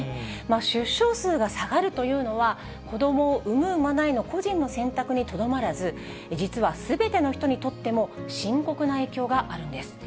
出生数が下がるというのは、子どもを産む、産まないの個人の選択にとどまらず、実はすべての人にとっても深刻な影響があるんです。